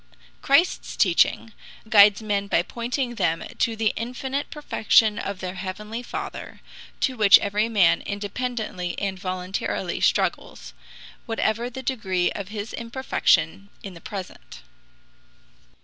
Christ's teaching guides men by pointing them to the infinite perfection of their heavenly Father, to which every man independently and voluntarily struggles, whatever the degree of his imperfection in the present.